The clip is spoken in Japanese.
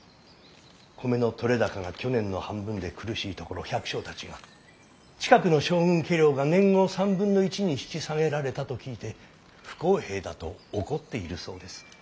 米の取れ高が去年の半分で苦しいところ百姓たちが近くの将軍家領が年貢を３分の１に引き下げられたと聞いて不公平だと怒っているそうです。